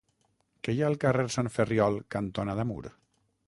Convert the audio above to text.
Què hi ha al carrer Sant Ferriol cantonada Mur?